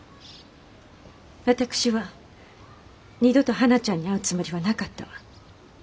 私は二度とはなちゃんに会うつもりはなかったわ。